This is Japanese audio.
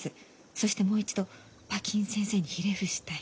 そしてもう一度馬琴先生にひれ伏したい。